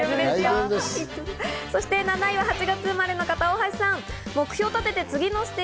７位は８月生まれの方、大橋さん。